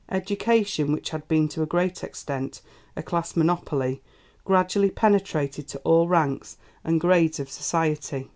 Education, which had been to a great extent a class monopoly, gradually penetrated to all ranks and grades of society.